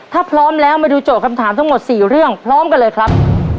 ถ้าพร้อมแล้วมาดูโจทย์คำถามทั้งหมด๔เรื่องพร้อมกันเลยครับ